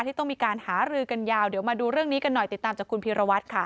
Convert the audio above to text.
ที่ต้องมีการหารือกันยาวเดี๋ยวมาดูเรื่องนี้กันหน่อยติดตามจากคุณพีรวัตรค่ะ